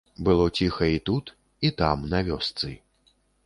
Было ціха і тут, і там, на вёсцы.